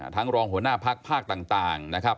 รองหัวหน้าพักภาคต่างนะครับ